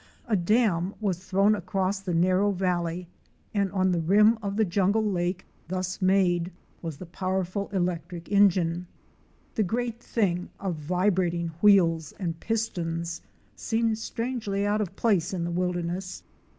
A dam was thrown across the narrow valley and on the rim of the jungle lake thus made, was the powerful electric engine. This great thing of vibrating wheels and pistons seemed strangely out of place in the wilderness.